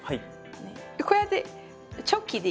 こうやってチョキで。